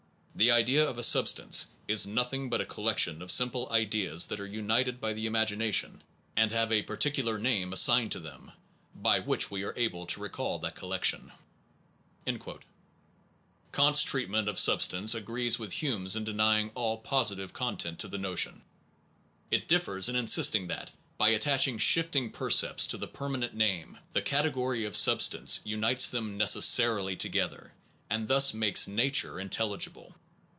The idea of a substance ... is nothing but a collection of simple ideas that are united by the imagination and have a particular name 123 SOME PROBLEMS OF PHILOSOPHY assigned them by which we are able to recall that collection. 1 Kant s treatment of sub stance agrees with Hume s in denying all posi tive content to the notion. It differs in insist ing that, by attaching shifting percepts to the permanent name, the category of substance unites them necessarily together, and thus makes nature intelligible.